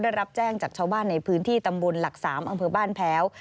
ได้รับแจ้งจากชาวบ้านในพื้นที่ตำบลหลัก๓อำเภอบ้านแพ้ว